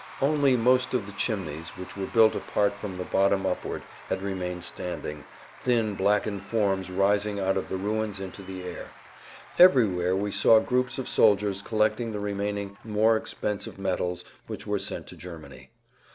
Only most of the chimneys which were built apart from the bottom upward, had remained standing, thin blackened forms rising out of the ruins into the air. Everywhere we saw groups of soldiers collecting the remaining more expensive metals which were sent to Germany.